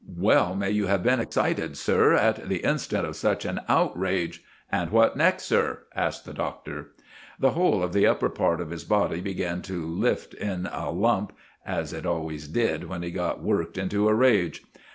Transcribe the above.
"Well may you have been excited, sir, at the instant of such an outrage! And what next, sir?" asked the Doctor. The whole of the upper part of his body began to lift in a lump, as it always did when he got worked into a rage.